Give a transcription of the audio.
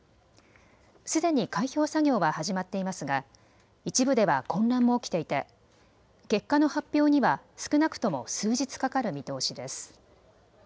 すでに開票作業は始まっていますが一部では混乱も起きていて結果の発表には少なくとも数日かかる見通しです。